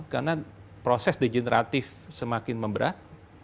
karena proses degeneratif semakin memberat